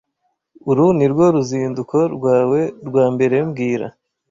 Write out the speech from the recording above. Uru nirwo ruzinduko rwawe rwa mbere mbwira